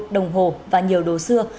đồng hồ và nhiều đồ xưa